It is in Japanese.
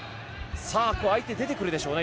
相手は出てくるでしょうね。